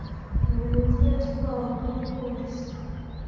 Murenzi yatwawe n'abapolisi.